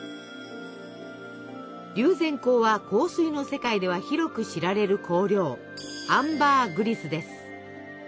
龍涎香は香水の世界では広く知られる香料アンバーグリスです。